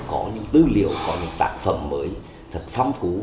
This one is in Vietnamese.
có những tư liệu có những tác phẩm mới thật phong phú